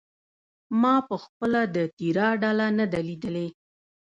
ما پخپله د تیراه ډله نه ده لیدلې.